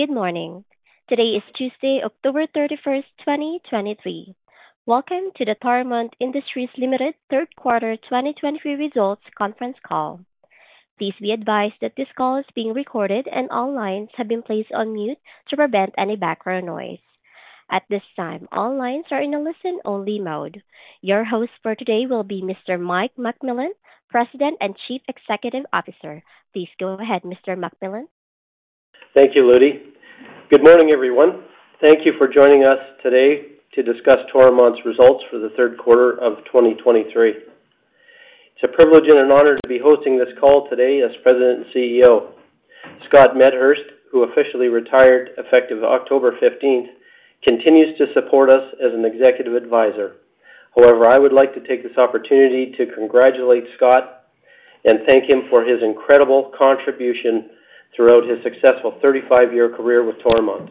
Good morning. Today is Tuesday, October 31st, 2023. Welcome to the Toromont Industries Limited Third quarter 2023 results conference call. Please be advised that this call is being recorded, and all lines have been placed on mute to prevent any background noise. At this time, all lines are in a listen-only mode. Your host for today will be Mr. Mike McMillan, President and Chief Executive Officer. Please go ahead, Mr. McMillan. Thank you, Ludy. Good morning, everyone. Thank you for joining us today to discuss Toromont's results for the third quarter of 2023. It's a privilege and an honor to be hosting this call today as President and CEO. Scott Medhurst, who officially retired effective October 15, continues to support us as an executive advisor. However, I would like to take this opportunity to congratulate Scott and thank him for his incredible contribution throughout his successful 35-year career with Toromont.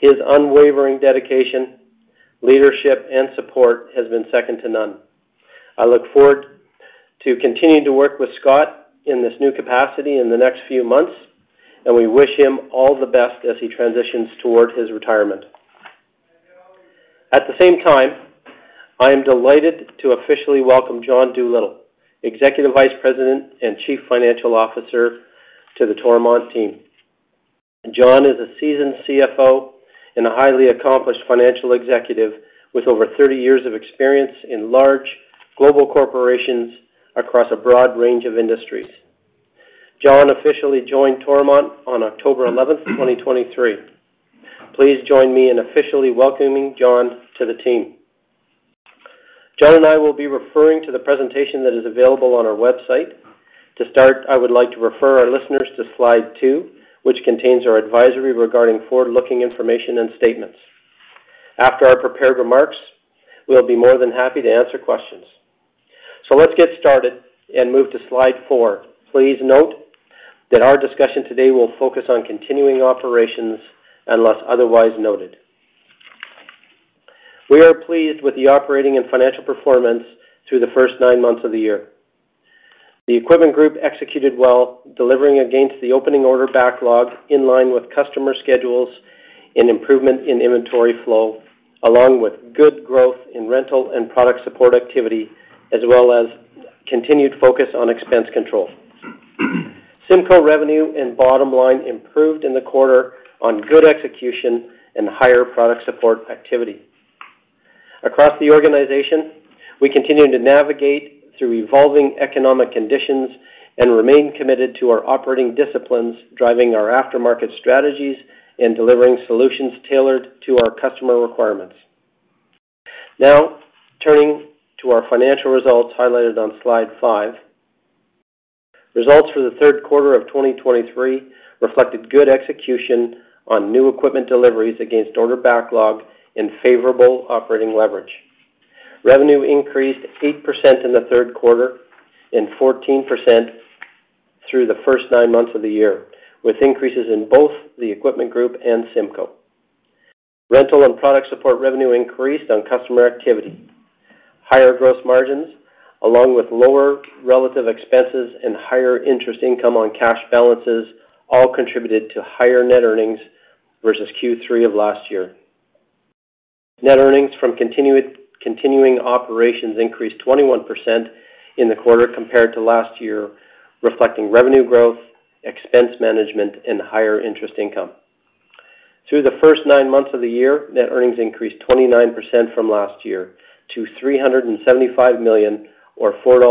His unwavering dedication, leadership, and support has been second to none. I look forward to continuing to work with Scott in this new capacity in the next few months, and we wish him all the best as he transitions toward his retirement. At the same time, I am delighted to officially welcome John Doolittle, Executive Vice President and Chief Financial Officer, to the Toromont team. John is a seasoned CFO and a highly accomplished financial executive with over 30 years of experience in large global corporations across a broad range of industries. John officially joined Toromont on October 11th, 2023. Please join me in officially welcoming John to the team. John and I will be referring to the presentation that is available on our website. To start, I would like to refer our listeners to slide two, which contains our advisory regarding forward-looking information and statements. After our prepared remarks, we'll be more than happy to answer questions. Let's get started and move to slide four. Please note that our discussion today will focus on continuing operations unless otherwise noted. We are pleased with the operating and financial performance through the first nine months of the year. The Equipment Group executed well, delivering against the opening order backlog, in line with customer schedules and improvement in inventory flow, along with good growth in rental and product support activity, as well as continued focus on expense control. CIMCO revenue and bottom line improved in the quarter on good execution and higher product support activity. Across the organization, we continue to navigate through evolving economic conditions and remain committed to our operating disciplines, driving our aftermarket strategies and delivering solutions tailored to our customer requirements. Now, turning to our financial results highlighted on slide five. Results for the third quarter of 2023 reflected good execution on new equipment deliveries against order backlog and favorable operating leverage. Revenue increased 8% in the third quarter and 14% through the first nine months of the year, with increases in both the Equipment Group and CIMCO. Rental and product support revenue increased on customer activity. Higher gross margins, along with lower relative expenses and higher interest income on cash balances, all contributed to higher net earnings versus Q3 of last year. Net earnings from continuing operations increased 21% in the quarter compared to last year, reflecting revenue growth, expense management, and higher interest income. Through the first nine months of the year, net earnings increased 29% from last year to 375 million or 4.56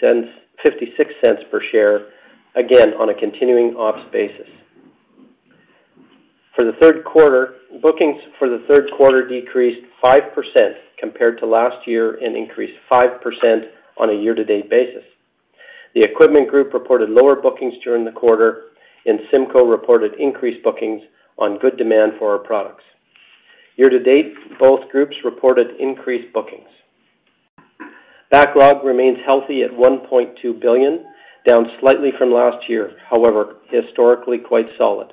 dollars per share, again, on a continuing ops basis. For the third quarter, bookings for the third quarter decreased 5% compared to last year and increased 5% on a year-to-date basis. The Equipment Group reported lower bookings during the quarter, and CIMCO reported increased bookings on good demand for our products. Year to date, both groups reported increased bookings. Backlog remains healthy at 1.2 billion, down slightly from last year, however, historically quite solid.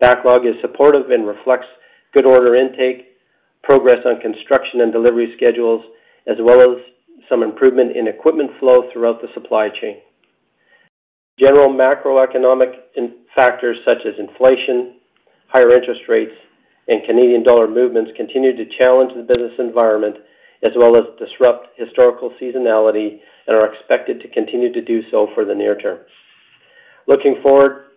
Backlog is supportive and reflects good order intake, progress on construction and delivery schedules, as well as some improvement in equipment flow throughout the supply chain. General macroeconomic factors such as inflation, higher interest rates, and Canadian dollar movements continue to challenge the business environment, as well as disrupt historical seasonality and are expected to continue to do so for the near term. Looking forward,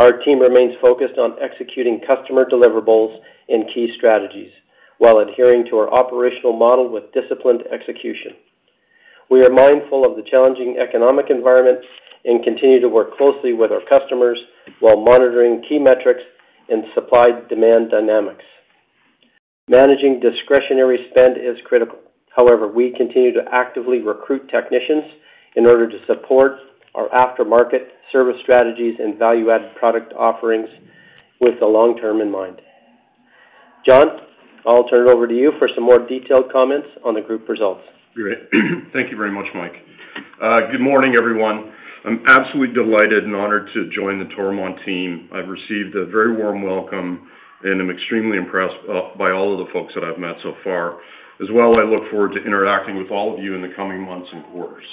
our team remains focused on executing customer deliverables and key strategies while adhering to our operational model with disciplined execution. We are mindful of the challenging economic environment and continue to work closely with our customers while monitoring key metrics and supply-demand dynamics. Managing discretionary spend is critical. However, we continue to actively recruit technicians in order to support our aftermarket service strategies and value-added product offerings with the long term in mind. John, I'll turn it over to you for some more detailed comments on the group results. Great. Thank you very much, Mike. Good morning, everyone. I'm absolutely delighted and honored to join the Toromont team. I've received a very warm welcome, and I'm extremely impressed by all of the folks that I've met so far. As well, I look forward to interacting with all of you in the coming months and quarters....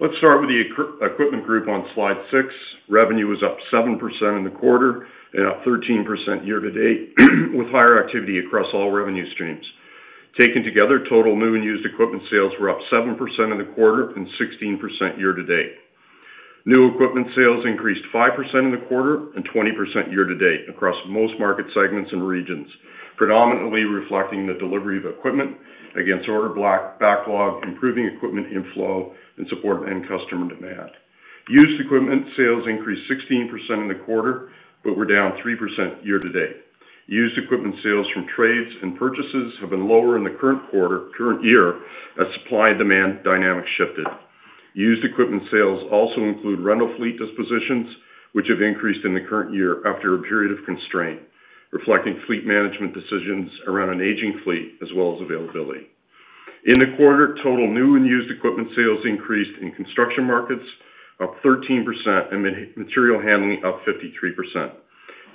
Let's start with the Equipment Group on Slide six. Revenue was up 7% in the quarter and up 13% year-to-date, with higher activity across all revenue streams. Taken together, total new and used equipment sales were up 7% in the quarter and 16% year-to-date. New equipment sales increased 5% in the quarter and 20% year-to-date across most market segments and regions, predominantly reflecting the delivery of equipment against order block backlog, improving equipment inflow, and support end customer demand. Used equipment sales increased 16% in the quarter, but were down 3% year-to-date. Used equipment sales from trades and purchases have been lower in the current year, as supply and demand dynamics shifted. Used equipment sales also include rental fleet dispositions, which have increased in the current year after a period of constraint, reflecting fleet management decisions around an aging fleet, as well as availability. In the quarter, total new and used equipment sales increased in construction markets, up 13%, and material handling, up 53%.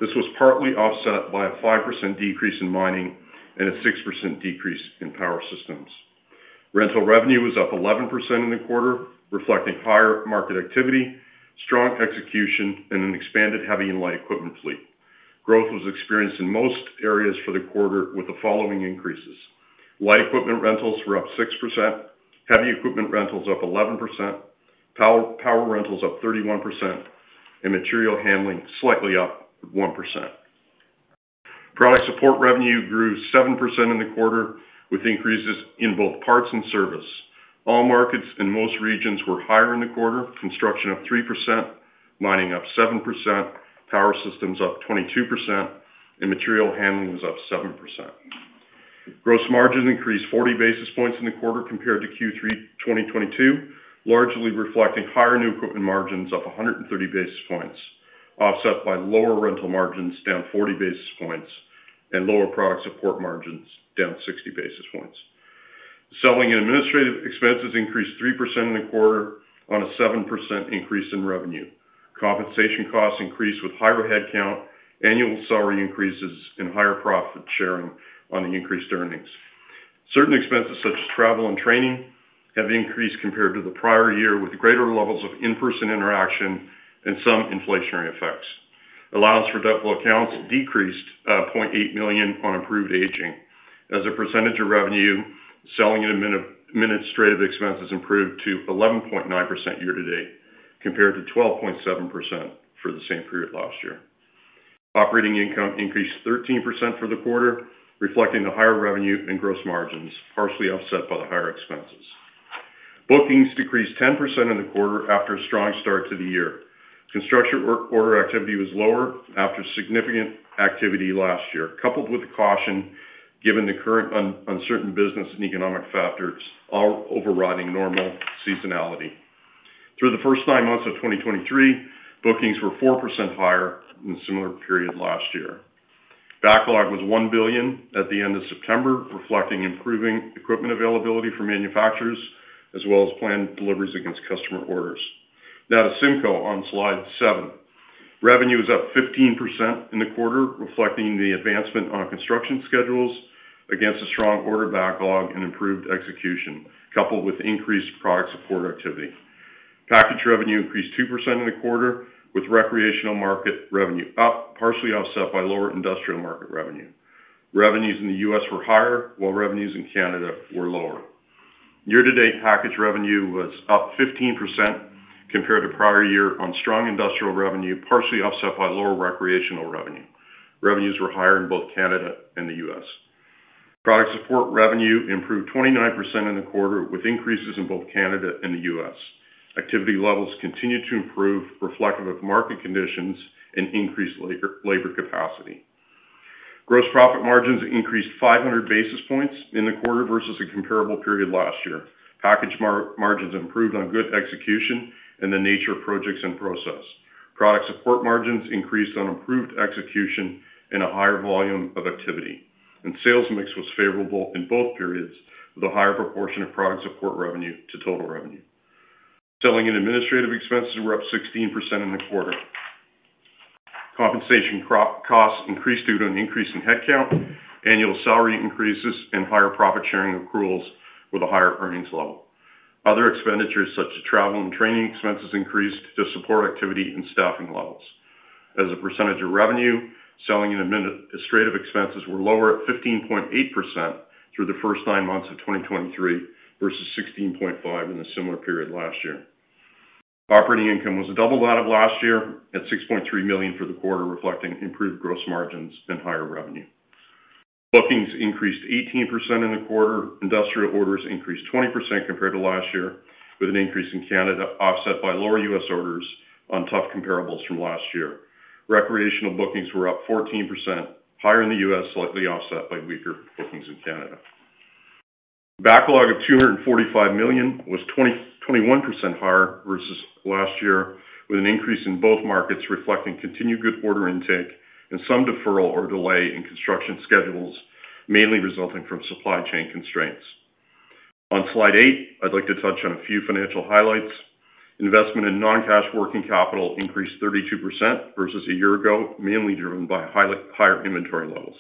This was partly offset by a 5% decrease in mining and a 6% decrease in power systems. Rental revenue was up 11% in the quarter, reflecting higher market activity, strong execution, and an expanded heavy and light equipment fleet. Growth was experienced in most areas for the quarter with the following increases: light equipment rentals were up 6%, heavy equipment rentals up 11%, power, power rentals up 31%, and material handling slightly up 1%. Product support revenue grew 7% in the quarter, with increases in both parts and service. All markets and most regions were higher in the quarter, construction up 3%, mining up 7%, power systems up 22%, and material handling was up 7%. Gross margin increased 40 basis points in the quarter compared to Q3 2022, largely reflecting higher new equipment margins of 130 basis points, offset by lower rental margins, down 40 basis points, and lower product support margins, down 60 basis points. Selling and administrative expenses increased 3% in the quarter on a 7% increase in revenue. Compensation costs increased with higher headcount, annual salary increases, and higher profit sharing on the increased earnings. Certain expenses, such as travel and training, have increased compared to the prior year, with greater levels of in-person interaction and some inflationary effects. Allowance for doubtful accounts decreased 0.8 million on approved aging. As a percentage of revenue, selling and administrative expenses improved to 11.9% year-to-date, compared to 12.7% for the same period last year. Operating income increased 13% for the quarter, reflecting the higher revenue and gross margins, partially offset by the higher expenses. Bookings decreased 10% in the quarter after a strong start to the year. Construction work order activity was lower after significant activity last year, coupled with the caution given the current uncertain business and economic factors, are overriding normal seasonality. Through the first nine months of 2023, bookings were 4% higher than the similar period last year. Backlog was 1 billion at the end of September, reflecting improving equipment availability for manufacturers, as well as planned deliveries against customer orders. Now to CIMCO on Slide seven. Revenue was up 15% in the quarter, reflecting the advancement on construction schedules against a strong order backlog and improved execution, coupled with increased product support activity. Package revenue increased 2% in the quarter, with recreational market revenue up, partially offset by lower industrial market revenue. Revenues in the U.S. were higher, while revenues in Canada were lower. Year-to-date package revenue was up 15% compared to prior year on strong industrial revenue, partially offset by lower recreational revenue. Revenues were higher in both Canada and the U.S. Product support revenue improved 29% in the quarter, with increases in both Canada and the U.S. Activity levels continued to improve, reflective of market conditions and increased labor capacity. Gross profit margins increased 500 basis points in the quarter versus a comparable period last year. Package margins improved on good execution and the nature of projects in process. Product support margins increased on improved execution and a higher volume of activity, and sales mix was favorable in both periods, with a higher proportion of product support revenue to total revenue. Selling and administrative expenses were up 16% in the quarter. Compensation costs increased due to an increase in headcount, annual salary increases, and higher profit sharing accruals with a higher earnings level. Other expenditures, such as travel and training expenses, increased to support activity and staffing levels. As a percentage of revenue, selling and administrative expenses were lower at 15.8% through the first nine months of 2023, versus 16.5% in a similar period last year. Operating income was double that of last year, at 6.3 million for the quarter, reflecting improved gross margins and higher revenue. Bookings increased 18% in the quarter. Industrial orders increased 20% compared to last year, with an increase in Canada offset by lower U.S. orders on tough comparables from last year. Recreational bookings were up 14%, higher in the U.S., slightly offset by weaker bookings in Canada. Backlog of 245 million was 21% higher versus last year, with an increase in both markets reflecting continued good order intake and some deferral or delay in construction schedules, mainly resulting from supply chain constraints. On Slide 8, I'd like to touch on a few financial highlights. Investment in non-cash working capital increased 32% versus a year ago, mainly driven by higher inventory levels.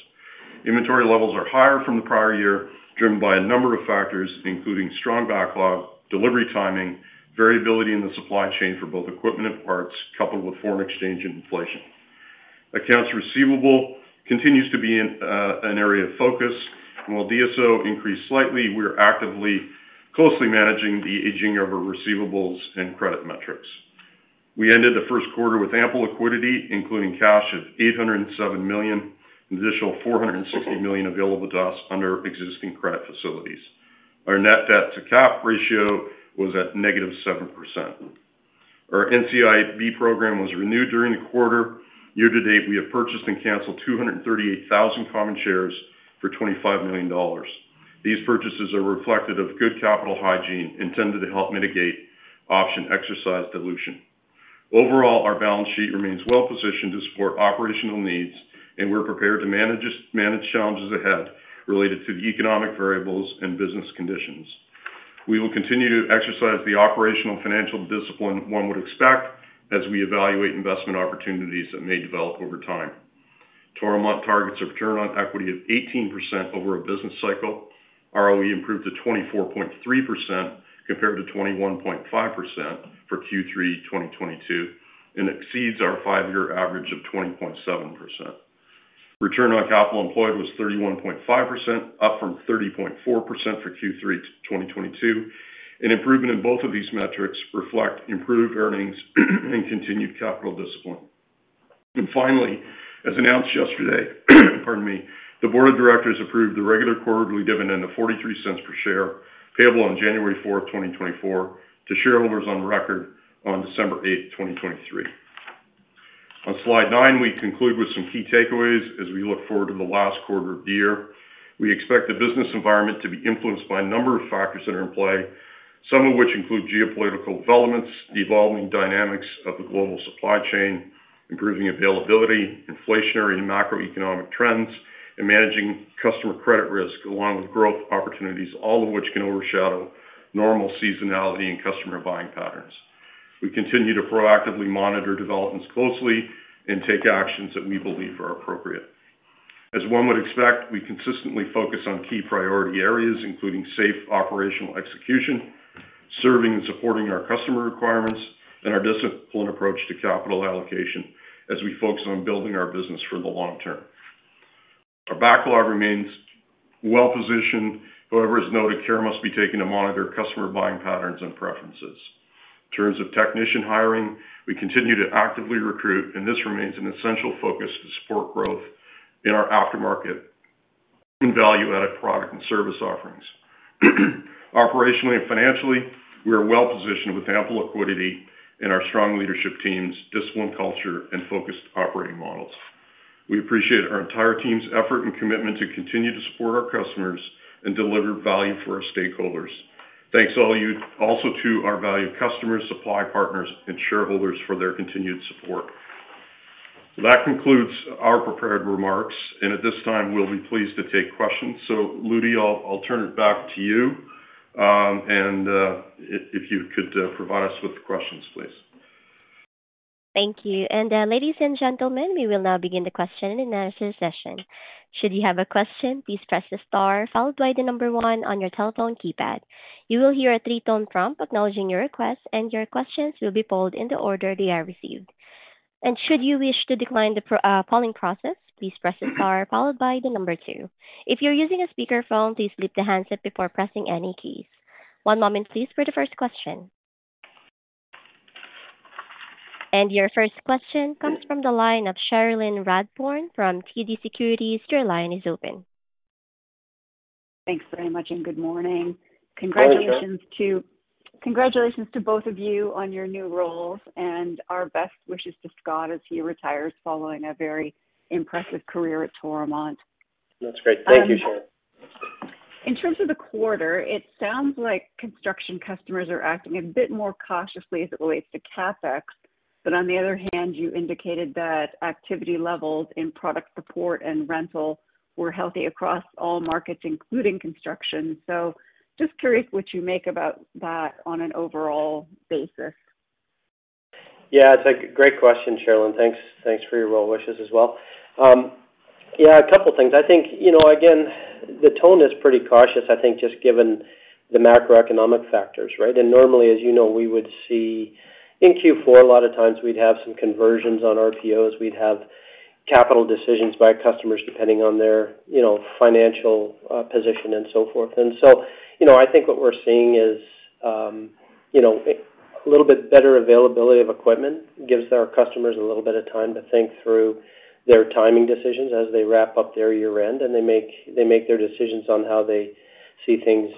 Inventory levels are higher from the prior year, driven by a number of factors, including strong backlog, delivery timing, variability in the supply chain for both equipment and parts, coupled with foreign exchange and inflation. Accounts receivable continues to be an area of focus, and while DSO increased slightly, we are actively closely managing the aging of our receivables and credit metrics. We ended the first quarter with ample liquidity, including cash of 807 million, an additional 460 million available to us under existing credit facilities. Our net debt to cap ratio was at -7%. Our NCIB program was renewed during the quarter. Year to date, we have purchased and canceled 238,000 common shares for 25 million dollars. These purchases are reflective of good capital hygiene, intended to help mitigate option exercise dilution. Overall, our balance sheet remains well positioned to support operational needs, and we're prepared to manage challenges ahead related to the economic variables and business conditions. We will continue to exercise the operational financial discipline one would expect as we evaluate investment opportunities that may develop over time. Toromont targets a return on equity of 18% over a business cycle. ROE improved to 24.3% compared to 21.5% for Q3 2022, and exceeds our 5-year average of 20.7%. Return on capital employed was 31.5%, up from 30.4% for Q3 2022. An improvement in both of these metrics reflect improved earnings and continued capital discipline. Finally, as announced yesterday, pardon me, the board of directors approved the regular quarterly dividend of 0.43 per share, payable on January fourth, 2024, to shareholders on record on December eighth, 2023. On slide nine, we conclude with some key takeaways as we look forward to the last quarter of the year. We expect the business environment to be influenced by a number of factors that are in play, some of which include geopolitical developments, the evolving dynamics of the global supply chain, improving availability, inflationary and macroeconomic trends, and managing customer credit risk, along with growth opportunities, all of which can overshadow normal seasonality and customer buying patterns. We continue to proactively monitor developments closely and take actions that we believe are appropriate. As one would expect, we consistently focus on key priority areas, including safe operational execution, serving and supporting our customer requirements, and our disciplined approach to capital allocation as we focus on building our business for the long term. Our backlog remains well-positioned. However, as noted, care must be taken to monitor customer buying patterns and preferences. In terms of technician hiring, we continue to actively recruit, and this remains an essential focus to support growth in our aftermarket and value-added product and service offerings. Operationally and financially, we are well positioned with ample liquidity in our strong leadership teams, disciplined culture, and focused operating models. We appreciate our entire team's effort and commitment to continue to support our customers and deliver value for our stakeholders. Thanks to all of you, also to our valued customers, supply partners, and shareholders for their continued support. That concludes our prepared remarks, and at this time, we'll be pleased to take questions. Ludy, I'll turn it back to you, and if you could provide us with the questions, please. Thank you. And, ladies and gentlemen, we will now begin the question and answer session. Should you have a question, please press the star followed by the number 1 on your telephone keypad. You will hear a 3-tone prompt acknowledging your request, and your questions will be polled in the order they are received. And should you wish to decline the polling process, please press the star followed by the number 2. If you're using a speakerphone, please lift the handset before pressing any keys. One moment, please, for the first question. And your first question comes from the line of Cherilyn Radbourne from TD Securities. Your line is open. Thanks very much, and good morning. Good morning. Congratulations to both of you on your new roles and our best wishes to Scott as he retires following a very impressive career at Toromont. That's great. Thank you, Cherilyn. In terms of the quarter, it sounds like construction customers are acting a bit more cautiously as it relates to CapEx. But on the other hand, you indicated that activity levels in product support and rental were healthy across all markets, including construction. So just curious what you make about that on an overall basis? Yeah, it's a great question, Cherilyn. Thanks, thanks for your well wishes as well. Yeah, a couple things. I think, you know, again, the tone is pretty cautious, I think, just given the macroeconomic factors, right? And normally, as you know, we would see in Q4, a lot of times we'd have some conversions on RPOs. We'd have capital decisions by customers, depending on their, you know, financial position and so forth. And so, you know, I think what we're seeing is, you know, a little bit better availability of equipment gives our customers a little bit of time to think through their timing decisions as they wrap up their year-end, and they make, they make their decisions on how they see things,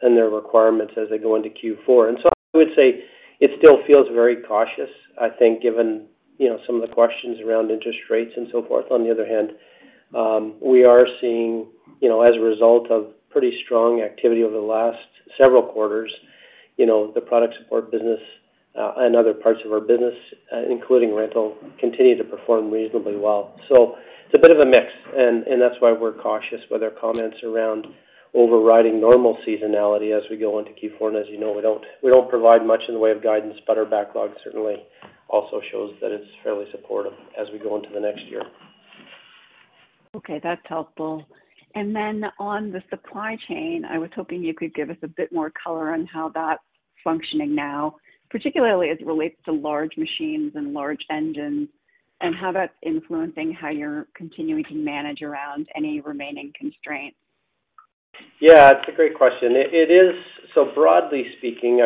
and their requirements as they go into Q4. And so I would say it still feels very cautious, I think, given, you know, some of the questions around interest rates and so forth. On the other hand, we are seeing, you know, as a result of pretty strong activity over the last several quarters, you know, the product support business, and other parts of our business, including rental, continue to perform reasonably well. So it's a bit of a mix, and that's why we're cautious with our comments around overriding normal seasonality as we go into Q4. And as you know, we don't provide much in the way of guidance, but our backlog certainly also shows that it's fairly supportive as we go into the next year.... Okay, that's helpful. And then on the supply chain, I was hoping you could give us a bit more color on how that's functioning now, particularly as it relates to large machines and large engines, and how that's influencing how you're continuing to manage around any remaining constraints? Yeah, it's a great question. It is. So broadly speaking,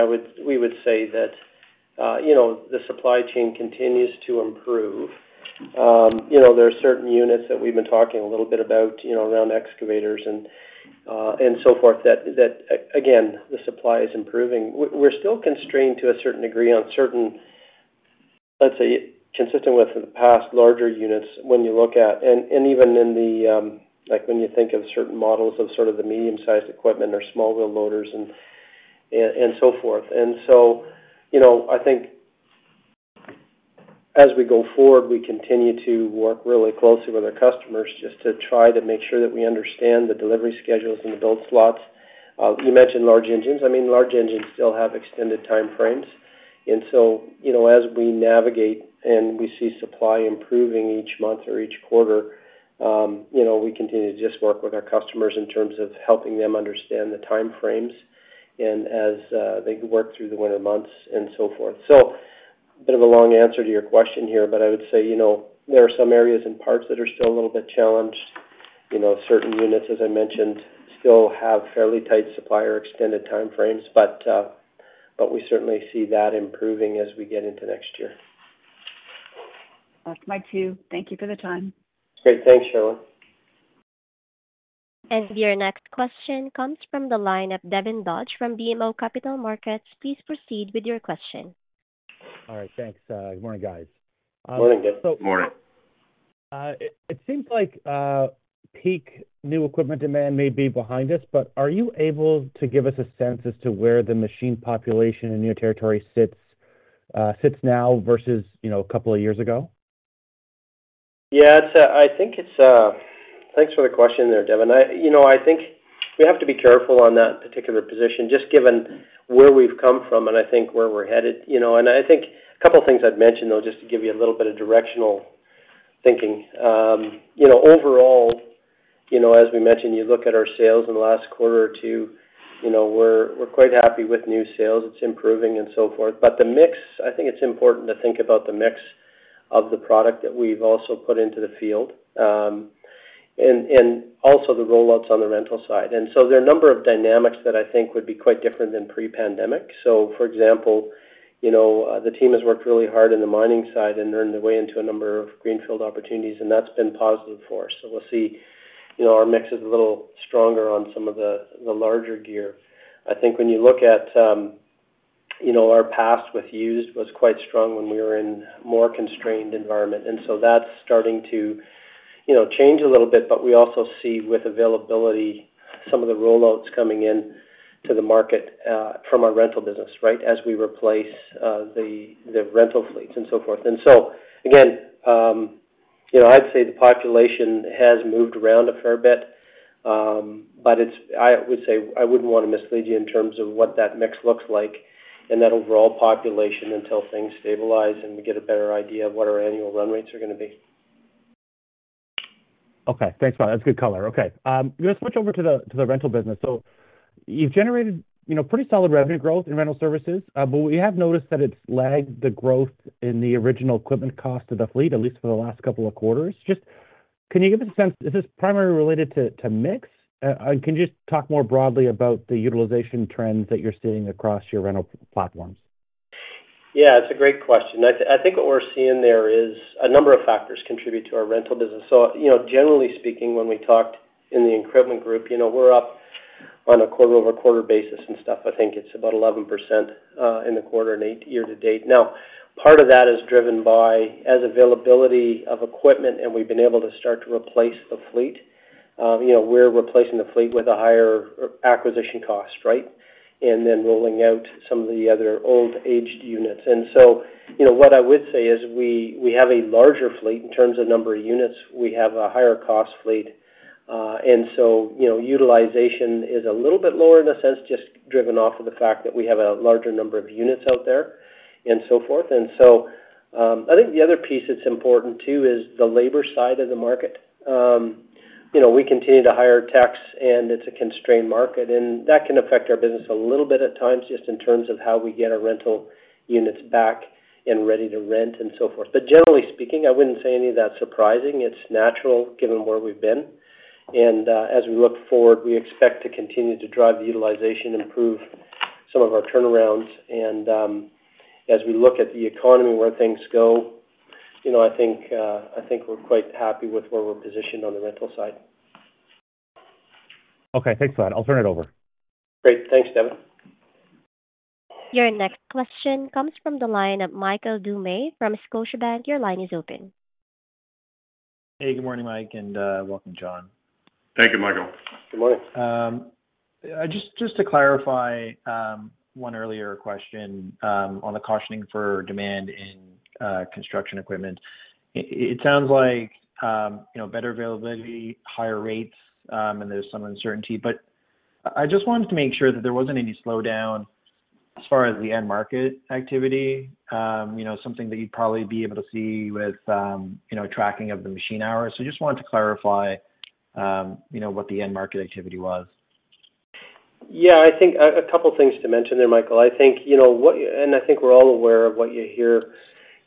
we would say that, you know, the supply chain continues to improve. You know, there are certain units that we've been talking a little bit about, you know, around excavators and so forth, that the supply is improving. We're still constrained to a certain degree on certain, let's say, consistent with the past larger units when you look at. And even in the, like, when you think of certain models of sort of the medium-sized equipment or small wheel loaders and so forth. And so, you know, I think as we go forward, we continue to work really closely with our customers just to try to make sure that we understand the delivery schedules and the build slots. You mentioned large engines. I mean, large engines still have extended time frames. And so, you know, as we navigate and we see supply improving each month or each quarter, you know, we continue to just work with our customers in terms of helping them understand the time frames and as they work through the winter months and so forth. So a bit of a long answer to your question here, but I would say, you know, there are some areas and parts that are still a little bit challenged. You know, certain units, as I mentioned, still have fairly tight supply or extended time frames, but we certainly see that improving as we get into next year. That's my cue. Thank you for the time. Great. Thanks, Cherilyn. Your next question comes from the line of Devin Dodge from BMO Capital Markets. Please proceed with your question. All right, thanks. Good morning, guys. Good morning, Devin. Good morning. It seems like peak new equipment demand may be behind us, but are you able to give us a sense as to where the machine population in your territory sits now versus, you know, a couple of years ago? Yeah, it's a, I think it's a. Thanks for the question there, Devin. I... You know, I think we have to be careful on that particular position, just given where we've come from and I think where we're headed, you know. And I think a couple of things I'd mention, though, just to give you a little bit of directional thinking. You know, overall, you know, as we mentioned, you look at our sales in the last quarter or two, you know, we're, we're quite happy with new sales. It's improving and so forth. But the mix, I think it's important to think about the mix of the product that we've also put into the field, and, and also the rollouts on the rental side. And so there are a number of dynamics that I think would be quite different than pre-pandemic. So for example, you know, the team has worked really hard in the mining side and earned their way into a number of greenfield opportunities, and that's been positive for us. So we'll see. You know, our mix is a little stronger on some of the, the larger gear. I think when you look at, you know, our past with used was quite strong when we were in more constrained environment, and so that's starting to, you know, change a little bit. But we also see with availability, some of the rollouts coming in to the market, from our rental business, right? As we replace, the, the rental fleets and so forth. So again, you know, I'd say the population has moved around a fair bit, but it's. I would say I wouldn't want to mislead you in terms of what that mix looks like in that overall population until things stabilize and we get a better idea of what our annual run rates are going to be. Okay. Thanks a lot. That's a good color. Okay, I'm going to switch over to the rental business. So you've generated, you know, pretty solid revenue growth in rental services, but we have noticed that it's lagged the growth in the original equipment cost of the fleet, at least for the last couple of quarters. Just, can you give us a sense, is this primarily related to mix? And can you just talk more broadly about the utilization trends that you're seeing across your rental platforms? Yeah, it's a great question. I think what we're seeing there is a number of factors contribute to our rental business. So you know, generally speaking, when we talked in the Equipment Group, you know, we're up on a quarter-over-quarter basis and stuff. I think it's about 11% in the quarter and 8% year to date. Now, part of that is driven by, as availability of equipment, and we've been able to start to replace the fleet. You know, we're replacing the fleet with a higher acquisition cost, right? And then rolling out some of the other old aged units. And so, you know, what I would say is we have a larger fleet in terms of number of units. We have a higher cost fleet. You know, utilization is a little bit lower in a sense, just driven off of the fact that we have a larger number of units out there and so forth. I think the other piece that's important too is the labor side of the market. You know, we continue to hire techs, and it's a constrained market, and that can affect our business a little bit at times, just in terms of how we get our rental units back and ready to rent and so forth. But generally speaking, I wouldn't say any of that's surprising. It's natural, given where we've been. As we look forward, we expect to continue to drive the utilization, improve some of our turnarounds. As we look at the economy, where things go, you know, I think we're quite happy with where we're positioned on the rental side. Okay, thanks a lot. I'll turn it over. Great. Thanks, Devin. Your next question comes from the line of Michael Doumet from Scotiabank. Your line is open. Hey, good morning, Mike, and welcome, John. Thank you, Michael. Good morning. Just to clarify one earlier question on the cautioning for demand in construction equipment. It sounds like, you know, better availability, higher rates, and there's some uncertainty. But I just wanted to make sure that there wasn't any slowdown- ...As far as the end market activity, you know, something that you'd probably be able to see with, you know, tracking of the machine hours. So just wanted to clarify, you know, what the end market activity was. Yeah, I think a couple things to mention there, Michael. I think, you know, what and I think we're all aware of what you hear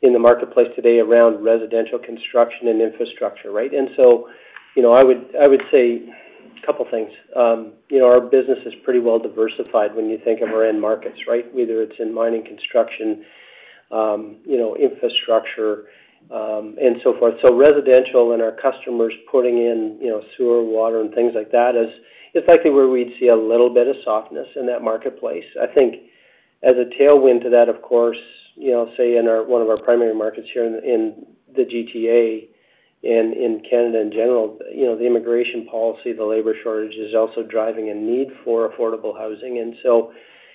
in the marketplace today around residential construction and infrastructure, right? So, you know, I would say a couple things. You know, our business is pretty well diversified when you think of our end markets, right? Whether it's in mining, construction, you know, infrastructure, and so forth. So residential and our customers putting in, you know, sewer, water, and things like that is effectively where we'd see a little bit of softness in that marketplace. I think as a tailwind to that, of course, you know, in one of our primary markets here in the GTA and in Canada in general, you know, the immigration policy, the labor shortage, is also driving a need for affordable housing. And so,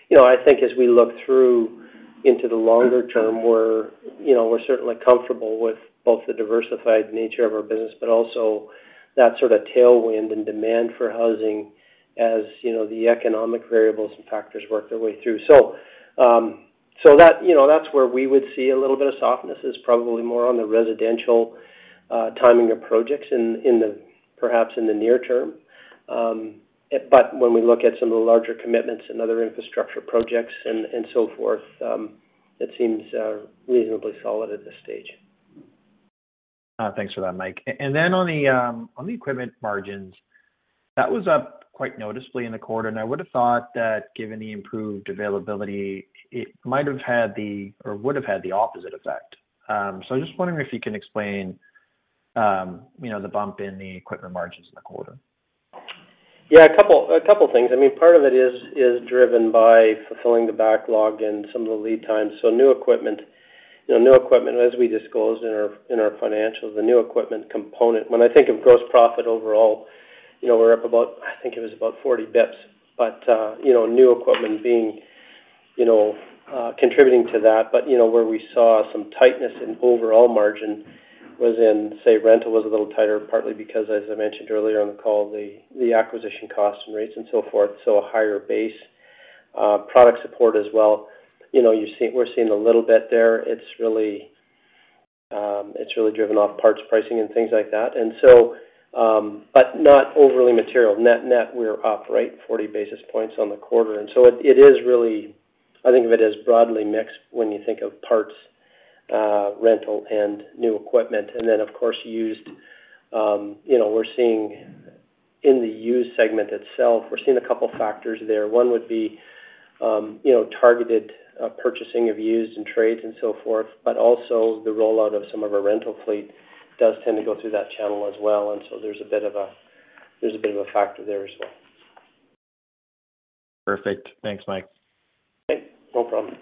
you know, I think as we look through into the longer term, we're, you know, we're certainly comfortable with both the diversified nature of our business, but also that sort of tailwind and demand for housing, as, you know, the economic variables and factors work their way through. So, that, you know, that's where we would see a little bit of softness, is probably more on the residential, timing of projects in the, perhaps in the near term. But when we look at some of the larger commitments and other infrastructure projects and so forth, it seems reasonably solid at this stage. Thanks for that, Mike. And then on the equipment margins, that was up quite noticeably in the quarter, and I would have thought that given the improved availability, it might have had the, or would have had the opposite effect. So I'm just wondering if you can explain, you know, the bump in the equipment margins in the quarter. Yeah, a couple, a couple things. I mean, part of it is driven by fulfilling the backlog and some of the lead times. So new equipment, you know, new equipment, as we disclosed in our financials, the new equipment component. When I think of gross profit overall, you know, we're up about, I think it was about 40 basis points. But, you know, new equipment being, you know, contributing to that. But, you know, where we saw some tightness in overall margin was in, say, rental was a little tighter, partly because, as I mentioned earlier on the call, the acquisition costs and rates and so forth, so a higher base. Product support as well. You know, you're seeing, we're seeing a little bit there. It's really, it's really driven off parts pricing and things like that. But not overly material. Net, net, we're up, right, 40 basis points on the quarter. It is really, I think of it as broadly mixed when you think of parts, rental and new equipment. Then, of course, used, you know, we're seeing in the used segment itself, we're seeing a couple factors there. One would be, you know, targeted purchasing of used and trades and so forth, but also the rollout of some of our rental fleet does tend to go through that channel as well. So there's a bit of a, there's a bit of a factor there as well. Perfect. Thanks, Mike. Okay, no problem.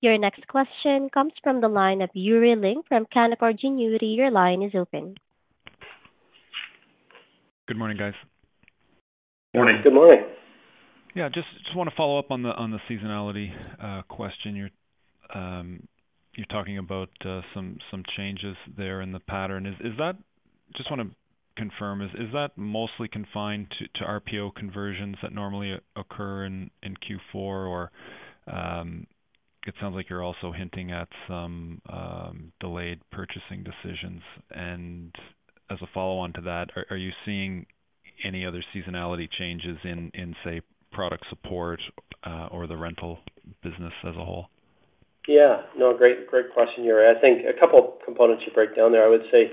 Your next question comes from the line of Yuri Lynk from Canaccord Genuity. Your line is open. Good morning, guys. Morning. Good morning. Yeah, just want to follow up on the seasonality question. You're talking about some changes there in the pattern. Is that—Just want to confirm, is that mostly confined to RPO conversions that normally occur in Q4? Or, it sounds like you're also hinting at some delayed purchasing decisions. And as a follow-on to that, are you seeing any other seasonality changes in, say, product support or the rental business as a whole? Yeah. No, great, great question, Yuri. I think a couple components you break down there. I would say,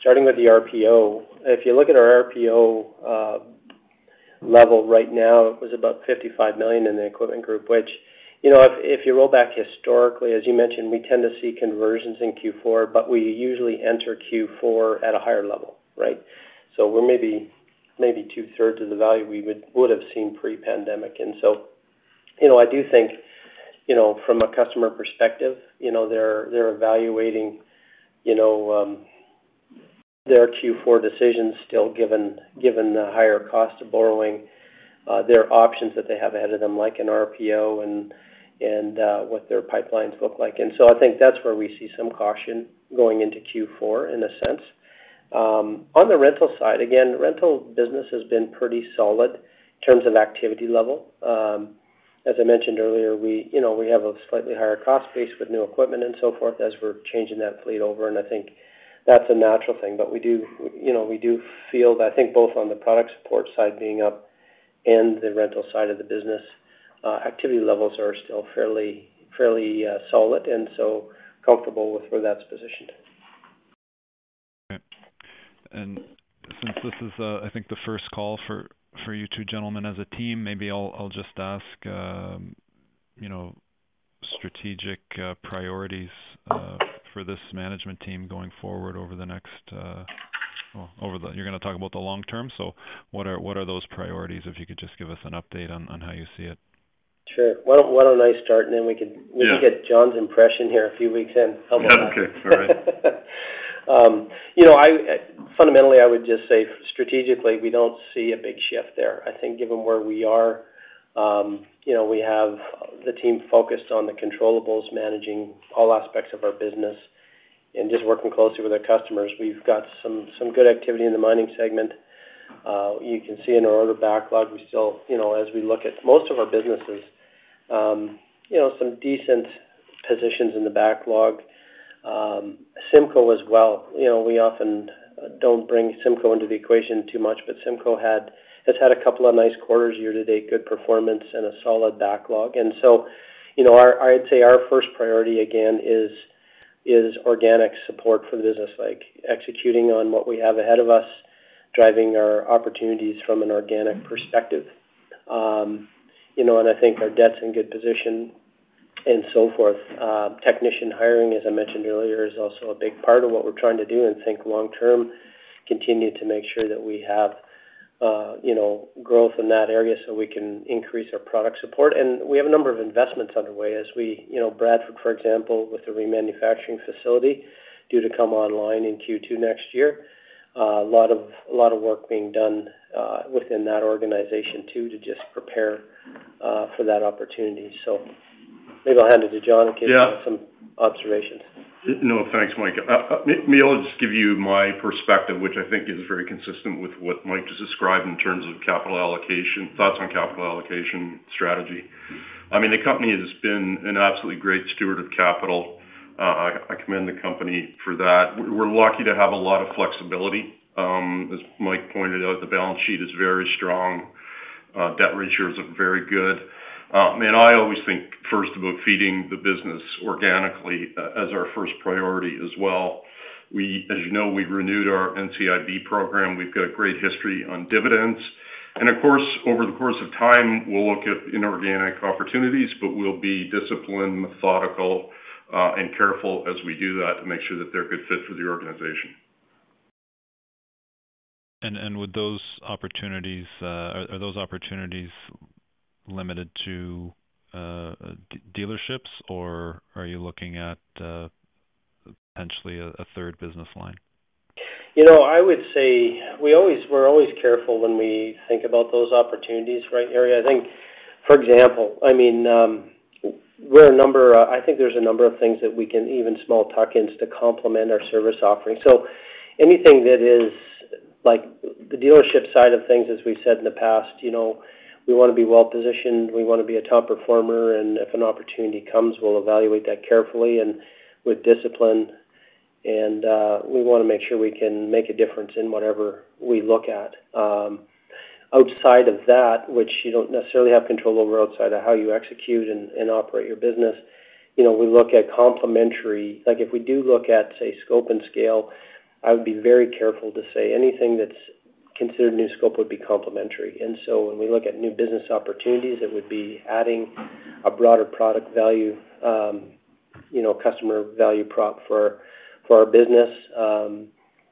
starting with the RPO, if you look at our RPO level right now, it was about 55 million in the Equipment Group, which, you know, if you roll back historically, as you mentioned, we tend to see conversions in Q4, but we usually enter Q4 at a higher level, right? So we're maybe two-thirds of the value we would have seen pre-pandemic. And so, you know, I do think, you know, from a customer perspective, you know, they're evaluating, you know, their Q4 decisions still given the higher cost of borrowing, their options that they have ahead of them, like an RPO and what their pipelines look like. So I think that's where we see some caution going into Q4, in a sense. On the rental side, again, rental business has been pretty solid in terms of activity level. As I mentioned earlier, we, you know, have a slightly higher cost base with new equipment and so forth as we're changing that fleet over, and I think that's a natural thing. But we do, you know, feel, I think both on the product support side being up and the rental side of the business, activity levels are still fairly, fairly, solid and so comfortable with where that's positioned. Okay. And since this is, I think the first call for you two gentlemen as a team, maybe I'll just ask, you know, strategic priorities for this management team going forward over the next, well, over the-- You're gonna talk about the long term, so what are those priorities? If you could just give us an update on how you see it. Sure. Why don't I start, and then we could- Yeah. We can get John's impression here a few weeks in. How about that? Okay, all right. You know, I, fundamentally, I would just say strategically, we don't see a big shift there. I think given where we are, you know, we have the team focused on the controllables, managing all aspects of our business.... and just working closely with our customers. We've got some, some good activity in the mining segment. You can see in our order backlog, we still, you know, as we look at most of our businesses, you know, some decent positions in the backlog. CIMCO as well, you know, we often don't bring CIMCO into the equation too much, but CIMCO had-- has had a couple of nice quarters year-to-date, good performance, and a solid backlog. And so, you know, our—I'd say our first priority, again, is organic support for the business, like executing on what we have ahead of us, driving our opportunities from an organic perspective. You know, and I think our debt's in good position and so forth. Technician hiring, as I mentioned earlier, is also a big part of what we're trying to do, and think long term, continue to make sure that we have, you know, growth in that area so we can increase our product support. And we have a number of investments underway as we... You know, Bradford, for example, with the remanufacturing facility, due to come online in Q2 next year. A lot of, a lot of work being done within that organization, too, to just prepare for that opportunity. So maybe I'll hand it to John to give- Yeah. -some observations. No, thanks, Mike. I'll just give you my perspective, which I think is very consistent with what Mike just described in terms of capital allocation, thoughts on capital allocation strategy. I mean, the company has been an absolutely great steward of capital. I commend the company for that. We're lucky to have a lot of flexibility. As Mike pointed out, the balance sheet is very strong. Debt ratios are very good. And I always think first about feeding the business organically, as our first priority as well. As you know, we've renewed our NCIB program. We've got a great history on dividends. And of course, over the course of time, we'll look at inorganic opportunities, but we'll be disciplined, methodical, and careful as we do that to make sure that they're a good fit for the organization. Are those opportunities limited to dealerships, or are you looking at potentially a third business line? You know, I would say we always-- we're always careful when we think about those opportunities, right, Yuri? I think, for example, I mean, I think there's a number of things that we can even small tuck-ins to complement our service offering. So anything that is like the dealership side of things, as we've said in the past, you know, we want to be well-positioned, we want to be a top performer, and if an opportunity comes, we'll evaluate that carefully and with discipline. And, we want to make sure we can make a difference in whatever we look at. Outside of that, which you don't necessarily have control over outside of how you execute and operate your business, you know, we look at complementary... Like, if we do look at, say, scope and scale, I would be very careful to say anything that's considered new scope would be complementary. And so when we look at new business opportunities, it would be adding a broader product value, you know, customer value prop for our business,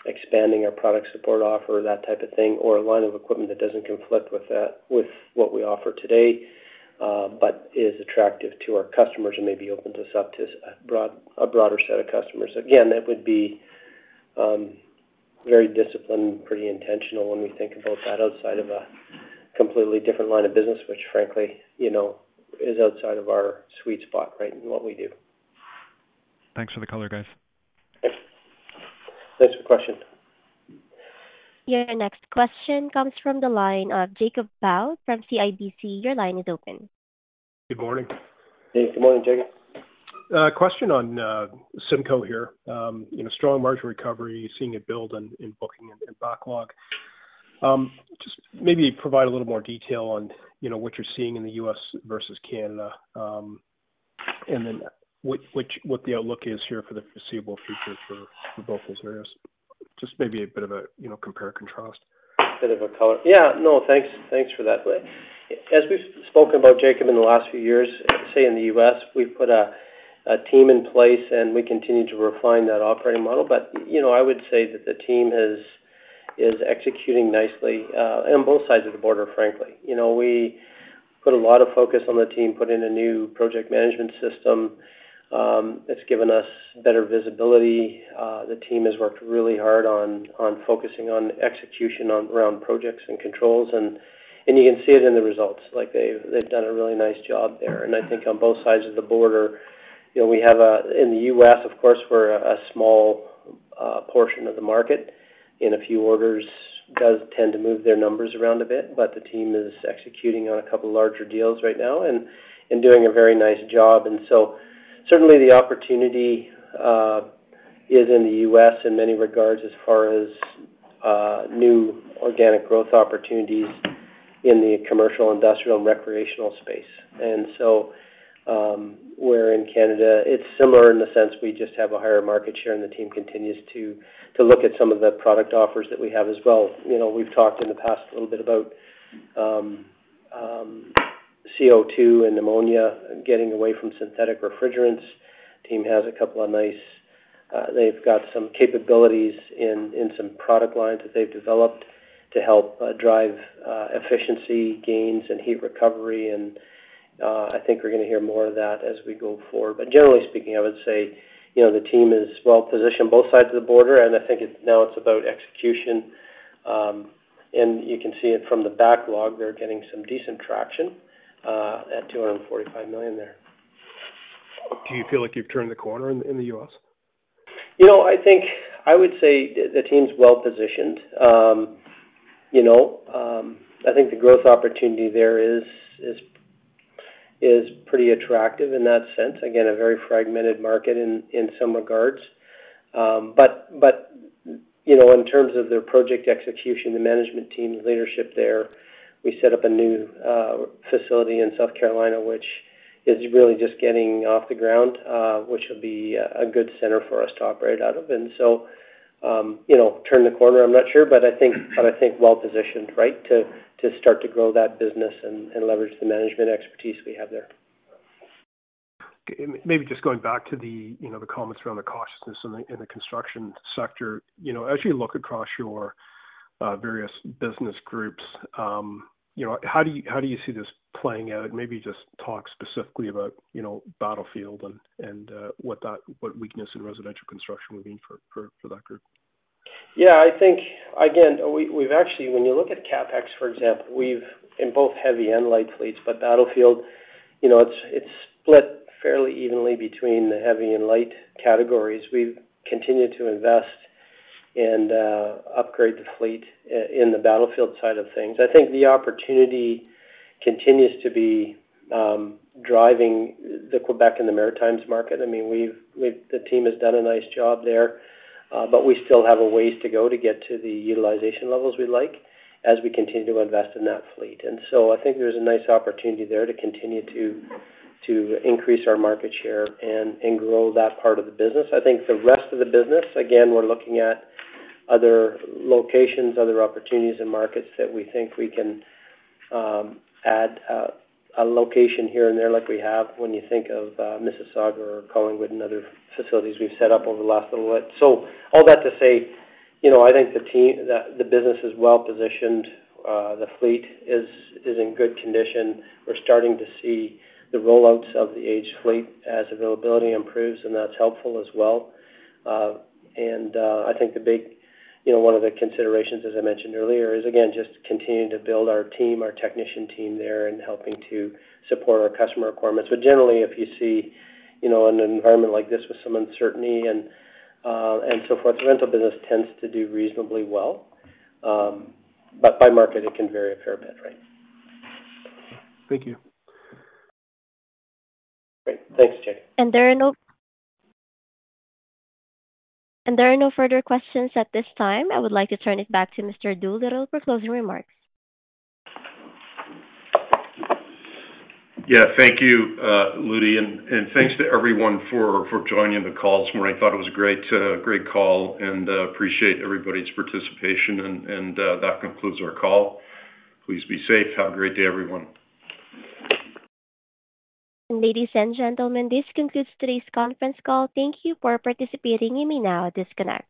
expanding our product support offer, that type of thing, or a line of equipment that doesn't conflict with what we offer today, but is attractive to our customers and maybe opens us up to a broader set of customers. Again, that would be very disciplined, pretty intentional when we think about that outside of a completely different line of business, which frankly, you know, is outside of our sweet spot, right, in what we do. Thanks for the color, guys. Thanks. Thanks for the question. Your next question comes from the line of Jacob Bout from CIBC. Your line is open. Good morning. Hey, good morning, Jacob. Question on, CIMCO here. You know, strong margin recovery, seeing it build on in booking and backlog. Just maybe provide a little more detail on, you know, what you're seeing in the U.S. versus Canada. And then what the outlook is here for the foreseeable future for both those areas. Just maybe a bit of a, you know, compare and contrast. A bit of color. Yeah. No, thanks, thanks for that, [by the way]. As we've spoken about, Jacob, in the last few years, say, in the U.S., we've put a team in place, and we continue to refine that operating model. But, you know, I would say that the team is executing nicely on both sides of the border, frankly. You know, we put a lot of focus on the team, put in a new project management system. It's given us better visibility. The team has worked really hard on focusing on execution around projects and controls, and you can see it in the results. Like, they've done a really nice job there. I think on both sides of the border, you know, we have a in the U.S., of course, we're a small portion of the market, and a few orders does tend to move their numbers around a bit, but the team is executing on a couple larger deals right now and doing a very nice job. So certainly, the opportunity is in the U.S. in many regards, as far as new organic growth opportunities in the commercial, industrial, and recreational space. So we're in Canada. It's similar in the sense we just have a higher market share, and the team continues to look at some of the product offers that we have as well. You know, we've talked in the past a little bit about CO2 and ammonia, getting away from synthetic refrigerants. Team has a couple of nice. They've got some capabilities in some product lines that they've developed to help drive efficiency gains and heat recovery, and I think we're going to hear more of that as we go forward. But generally speaking, I would say, you know, the team is well positioned both sides of the border, and I think it's now it's about execution. And you can see it from the backlog. They're getting some decent traction at 245 million there. Do you feel like you've turned the corner in the U.S.? You know, I think I would say the team's well-positioned. You know, I think the growth opportunity there is pretty attractive in that sense. Again, a very fragmented market in some regards. But you know, in terms of their project execution, the management team, leadership there, we set up a new facility in South Carolina, which is really just getting off the ground, which will be a good center for us to operate out of. And so, you know, turn the corner, I'm not sure, but I think. But I think well-positioned, right, to start to grow that business and leverage the management expertise we have there. Okay. Maybe just going back to the, you know, the comments around the cautiousness in the, in the construction sector. You know, as you look across your various business groups, you know, how do you, how do you see this playing out? Maybe just talk specifically about, you know, Battlefield and, and what that—what weakness in residential construction would mean for that group. Yeah, I think, again, we've actually... When you look at CapEx, for example, we've in both heavy and light fleets, but Battlefield, you know, it's split fairly evenly between the heavy and light categories. We've continued to invest and upgrade the fleet in the Battlefield side of things. I think the opportunity continues to be driving the Quebec and the Maritimes market. I mean, the team has done a nice job there, but we still have a ways to go to get to the utilization levels we like as we continue to invest in that fleet. And so I think there's a nice opportunity there to continue to increase our market share and grow that part of the business. I think the rest of the business, again, we're looking at other locations, other opportunities and markets that we think we can add a location here and there like we have when you think of Mississauga or Collingwood and other facilities we've set up over the last little bit. So all that to say, you know, I think the team, the business is well positioned. The fleet is in good condition. We're starting to see the rollouts of the aged fleet as availability improves, and that's helpful as well. And I think the big, you know, one of the considerations, as I mentioned earlier, is again, just continuing to build our team, our technician team there, and helping to support our customer requirements. But generally, if you see, you know, in an environment like this with some uncertainty and so forth, the rental business tends to do reasonably well. But by market, it can vary a fair bit, right? Thank you. Great. Thanks, Jacob. There are no further questions at this time. I would like to turn it back to Mr. Doolittle for closing remarks. Yeah, thank you, Ludy, and thanks to everyone for joining the call this morning. I thought it was a great call, and appreciate everybody's participation. And that concludes our call. Please be safe. Have a great day, everyone. Ladies and gentlemen, this concludes today's conference call. Thank you for participating. You may now disconnect.